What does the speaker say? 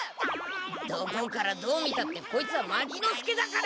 どこからどう見たってこいつは牧之介だから！